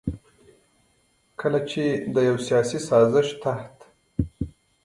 کله چې د يو سياسي سازش تحت